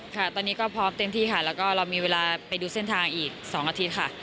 ค่ะตอนนี้ก็พร้อมเต็มที่ค่ะแล้วก็เรามีเวลาไปดูเส้นทางอีก๒อาทิตย์ค่ะ